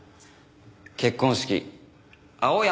結婚式青山